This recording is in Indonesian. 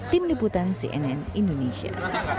tim liputan cnn indonesia